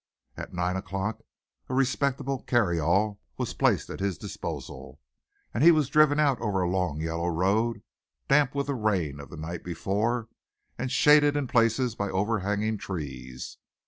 At nine o'clock a respectable carryall was placed at his disposal and he was driven out over a long yellow road, damp with the rain of the night before and shaded in places by overhanging trees.